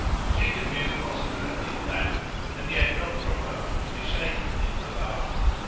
She could view the possibility of that, and yet not for a moment be shaken in her love.